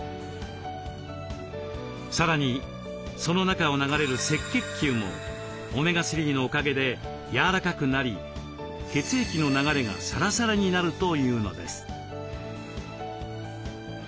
さらにその中を流れる赤血球もオメガ３のおかげで柔らかくなり血液の流れがサラサラになるというのです。